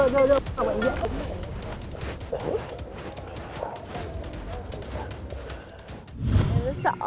đưa đưa đưa